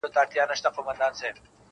• ارغنداو ته شالماره چي رانه سې -